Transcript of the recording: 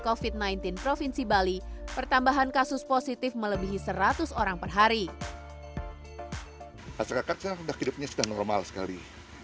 kofit sembilan belas provinsi bali pertambahan kasus positif melebihi seratus orang perhari